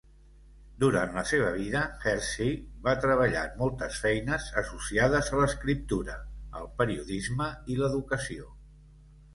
Durant la seva vida, Hersey va treballar en moltes feines associades a l'escriptura, el periodisme i l'educació.